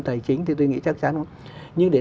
tài chính thì tôi nghĩ chắc chắn nhưng để